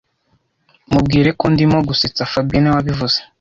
Mubwire ko ndimo gusetsa fabien niwe wabivuze